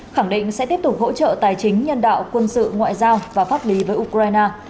khẳng định sẽ tiếp tục hỗ trợ tài chính nhân đạo quân sự ngoại giao và pháp lý với ukraine